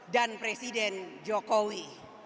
dan presiden jokowi